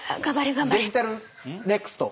デジタルネクスト。